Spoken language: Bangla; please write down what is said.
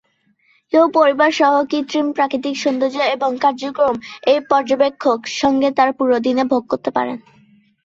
কেউ পরিবার সহ কৃত্রিম প্রাকৃতিক সৌন্দর্য এবং কার্যক্রম এই পর্যবেক্ষক সঙ্গে তার পুরো দিনে ভোগ করতে পারেন।